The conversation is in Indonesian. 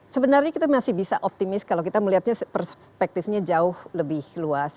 sebenarnya kita masih bisa optimis kalau kita melihatnya perspektifnya jauh lebih luas